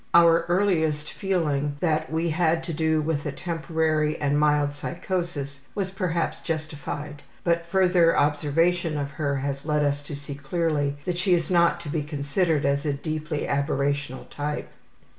Our earliest feeling that we had to do with a temporary and mild psychosis was perhaps justified, but further observation of her has led us to see clearly that she is not to be considered as a deeply aberrational type.